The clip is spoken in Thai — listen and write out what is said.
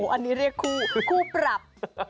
อันนี้เรียกคู่คู่ปรับ